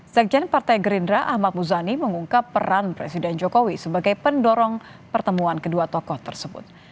sekjen partai gerindra ahmad muzani mengungkap peran presiden jokowi sebagai pendorong pertemuan kedua tokoh tersebut